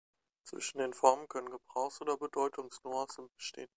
Zwischen den Formen können Gebrauchs- oder Bedeutungsnuancen bestehen.